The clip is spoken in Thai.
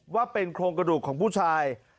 ว่าเป็นโครงกระดูกของผู้ชาย